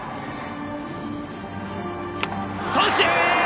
三振！